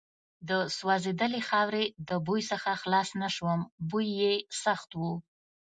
د سوځېدلې خاورې د بوی څخه خلاص نه شوم، بوی یې سخت و.